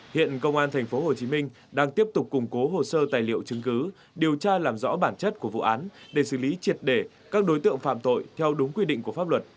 hiện công an tp hcm đang tiếp tục củng cố hồ sơ tài liệu chứng cứ điều tra làm rõ bản chất của vụ án để xử lý triệt để các đối tượng phạm tội theo đúng quy định của pháp luật